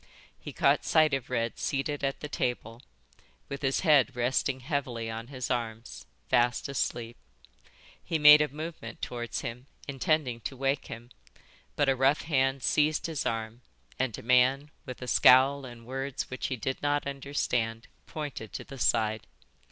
He caught sight of Red seated at the table, with his head resting heavily on his arms, fast asleep. He made a movement towards him, intending to wake him, but a rough hand seized his arm, and a man, with a scowl and words which he did not understand, pointed to the side.